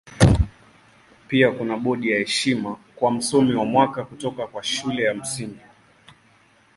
Pia kuna bodi ya heshima kwa Msomi wa Mwaka kutoka kwa Shule ya Msingi.